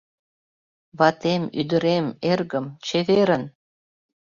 Ватем, ӱдырем, эргым, чеверын!